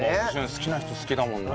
好きな人好きだもんな。